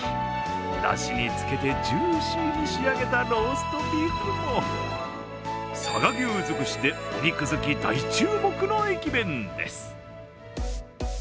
だしに漬けて、ジューシーに仕上げたローストビーフも佐賀牛尽くしでお肉好き大注目の駅弁です。